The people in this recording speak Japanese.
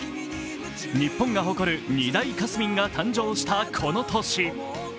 日本が誇る２大カスミんが誕生したこの年。